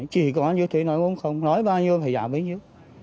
chỉ có như thế nói không không nói bao nhiêu phải giảm bấy nhiêu